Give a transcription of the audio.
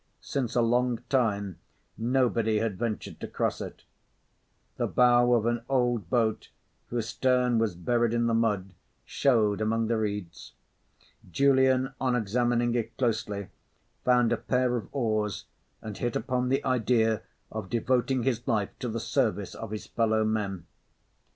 Since a long time nobody had ventured to cross it. The bow of an old boat, whose stern was buried in the mud, showed among the reeds. Julian, on examining it closely, found a pair of oars and hit upon the idea of devoting his life to the service of his fellow men.